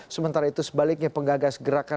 sementara itu sebaliknya penggagas gerakan